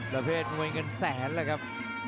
ประเภทมวยเงินแสนแล้วครับ